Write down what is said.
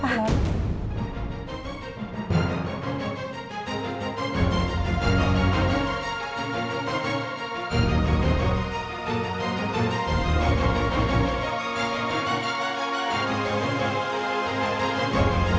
pajak untuk lewat jalan tujuh itness